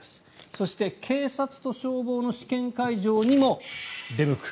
そして、警察と消防の試験会場にも出向く。